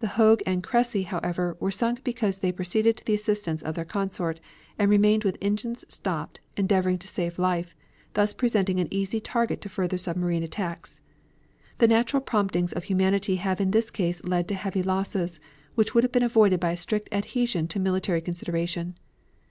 The Hogue and Cressy, however, were sunk because they proceeded to the assistance of their consort, and remained with engines stopped, endeavoring to save life, thus presenting an easy target to further submarine attacks. The natural promptings of humanity have in this case led to heavy losses, which would have been avoided by a strict adhesion to military consideration.